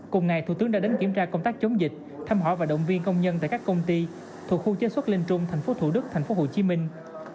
cùng ngày thủ tướng đã đến kiểm tra công tác chống dịch thăm hỏi và động viên công nhân tại các công ty thuộc khu chế xuất linh trung thành phố thủ đức thành phố hồ chí minh